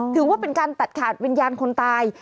ถือว่าเป็นการตัดขาดวิญญาณคนตาย